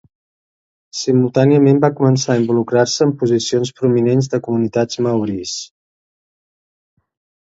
Simultàniament va començar a involucrar-se en posicions prominents de comunitats maoris.